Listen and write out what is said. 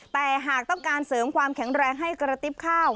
แต่หากต้องการเสริมความแข็งแรงให้กระติ๊บข้าว